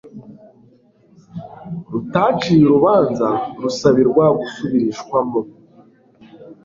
rutaciye urubanza rusabirwa gusubirishwamo